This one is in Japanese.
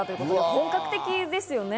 本格的ですよね。